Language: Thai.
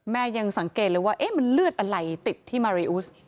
ยังสังเกตเลยว่ามันเลือดอะไรติดที่มาริอุส